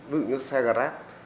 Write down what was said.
ví dụ như xe grab